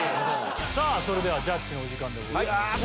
さぁそれではジャッジのお時間でございますね。